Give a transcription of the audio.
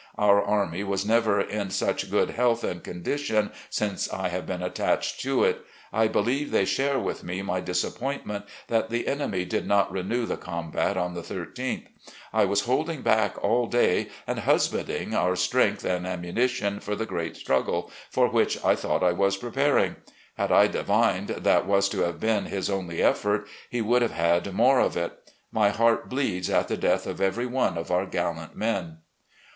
Our army was never in such good health and condition since I have been attached to it. I believe they share with me my disappointment that the enemy did not renew the combat on the 13th. I was holding back all day and husbanding our strength and ammunition for the great struggle, for which I thought I was preparing. Had I divined that was to have been his only effort, he would have had more of it. My heart bleeds at the death of every one of our gallant men."